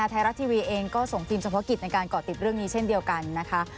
ไทยรัฐทีวีเองก็ส่งทีมเฉพาะกิจในการเกาะติดเรื่องนี้เช่นเดียวกันนะคะ